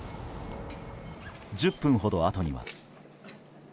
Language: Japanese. １０分ほどあとには。